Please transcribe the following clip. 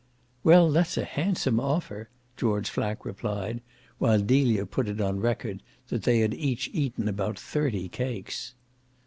"Well, that's a handsome offer," George Flack replied while Delia put it on record that they had each eaten about thirty cakes.